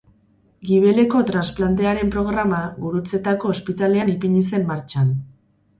Gibeleko transplantearen programa, Gurutzetako ospitalean ipini zen martxan.